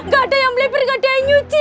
gak ada yang melebar gak ada yang nyuci